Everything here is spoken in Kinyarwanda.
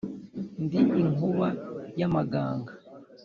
ndi inkuba y' amaganga.